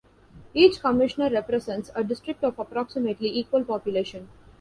Each commissioner represents a district of approximately equal population.